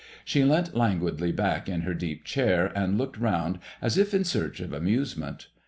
She leant languidly back in her deep chair, and looked round as if in search of amusement.